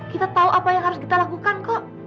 kita tahu apa yang harus kita lakukan kok